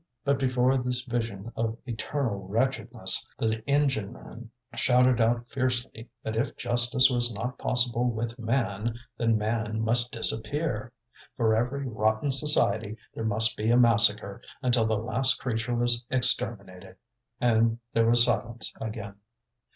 But before this vision of eternal wretchedness, the engine man shouted out fiercely that if justice was not possible with man, then man must disappear. For every rotten society there must be a massacre, until the last creature was exterminated. And there was silence again.